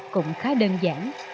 cũng khá đơn giản